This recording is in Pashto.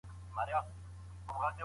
د ارغنداب سیند هره څپه د خوښیو پیغام لري.